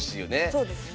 そうですね。